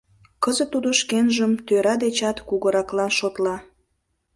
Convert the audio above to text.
Кызыт тудо шкенжым тӧра дечат кугураклан шотла.